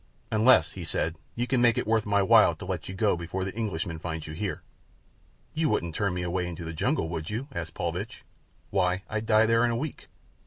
"Unless," he said, "you can make it worth my while to let you go before the Englishman finds you here." "You wouldn't turn me away in the jungle, would you?" asked Paulvitch. "Why, I'd die there in a week."